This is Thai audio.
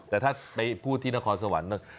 แต่ถ้าไปพูดที่นครสวรรค์